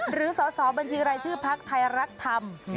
หรือสอบบัญชีไรชื่อพรรคไทยรักษ์ธรรม